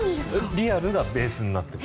リアルなベースになっている。